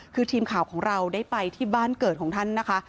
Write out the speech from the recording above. คือทีมข่าวของเราได้ไปที่บ้านเกิดของท่านนะคะ